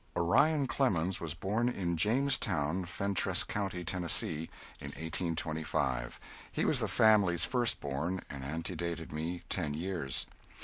_] Orion Clemens was born in Jamestown, Fentress County, Tennessee, in 1825. He was the family's first born, and antedated me ten years.